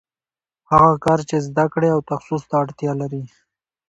هغه کار چې زده کړې او تخصص ته اړتیا لري